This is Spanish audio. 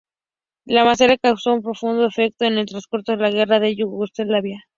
La matanza causó un profundo efecto en el transcurso de la guerra en Yugoslavia.